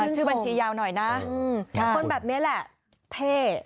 ชื่อบัญชียาวหน่อยนะคนแบบนี้แหละเท่